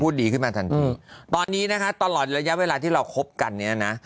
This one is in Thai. ดีขึ้นมาทันทีตอนนี้นะคะตลอดระยะเวลาที่เราคบกันเนี่ยนะ